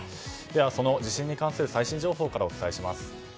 その地震に関する最新情報からお伝えします。